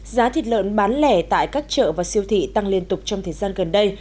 giá thịt lợn bán lẻ tại các chợ và siêu thị tăng liên tục trong thời gian gần đây